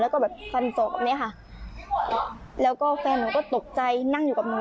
แล้วก็แบบฟันศอกแบบเนี้ยค่ะแล้วก็แฟนหนูก็ตกใจนั่งอยู่กับหนู